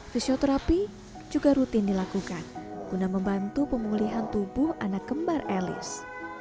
fisioterapi juga rutin dilakukan guna membantu pemulihan tubuh anak kembar elis